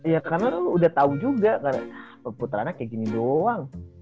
ya karena lu udah tau juga karena perputarannya kayak gini doang